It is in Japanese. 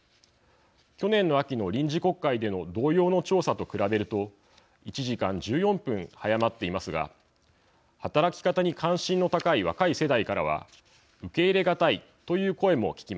去年の秋の臨時国会での同様の調査と比べると１時間１４分早まっていますが働き方に関心の高い若い世代からは受け入れがたいという声も聞きます。